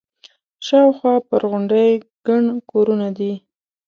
شاوخوا پر غونډۍ ګڼ کورونه دي.